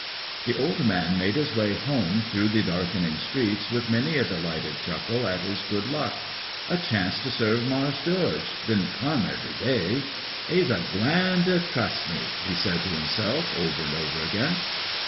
The old man made his way home through the darkening streets with many a delighted chuckle at his good luck. A chance to serve Mars' George didn't come every day. "He's a gwine ter trus' me!" he said to himself over and over again.